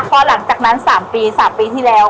พอหลังจากนั้น๓ปี๓ปีที่แล้ว